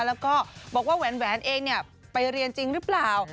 แล้วก็บอกว่าแหวนเองไปเรียนจริงหรือเปล่า